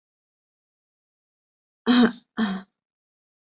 锥唇吻沙蚕为吻沙蚕科吻沙蚕属的动物。